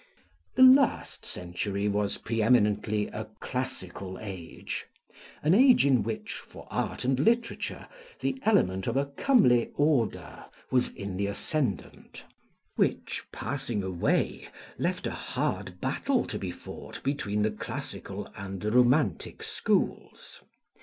The last century was pre eminently a classical age, an age in which, for art and literature, the element of a comely order was in the ascendant; which, passing away, left a hard battle to be fought between the classical and the romantic schools.